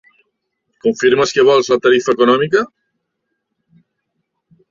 Confirmes que vols la tarifa econòmica?